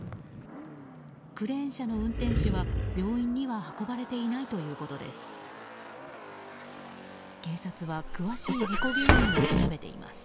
クレーン車の運転手は、病院には運ばれていないということです。